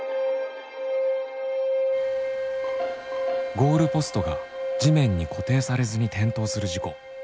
ゴールポストが地面に固定されずに転倒する事故。